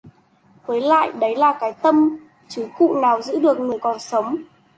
với lại đấy là cái tâm chứ cụ nào giữ được người còn sống